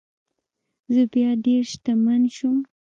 زه بیا ډیر شتمن شوم.